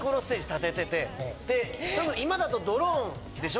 建てててで今だとドローンでしょ？